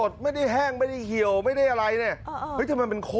ข้าน่ากาฝัง